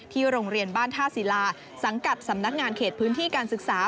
โรงเรียนบ้านท่าศิลาสังกัดสำนักงานเขตพื้นที่การศึกษา